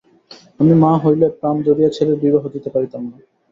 আমি মা হইলে প্রাণ ধরিয়া ছেলের বিবাহ দিতে পারিতাম না।